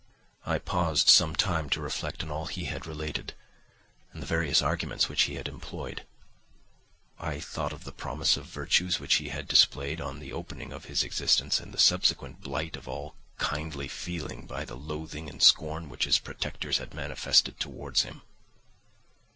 I paused some time to reflect on all he had related and the various arguments which he had employed. I thought of the promise of virtues which he had displayed on the opening of his existence and the subsequent blight of all kindly feeling by the loathing and scorn which his protectors had manifested towards him.